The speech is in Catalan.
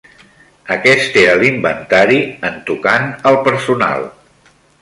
Aquest era l'inventari, en tocant al personal